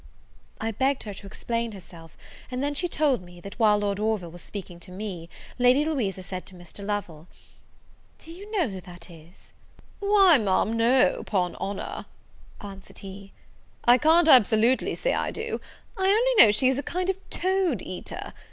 I begged her to explain herself; and then she told me, that while Lord Orville was speaking to me, Lady Louisa said to Mr. Lovel, "Do you know who that is?" "Why, Ma'am, no, 'pon honour," answered he, "I can't absolutely say I do; I only know she is a kind of a toad eater.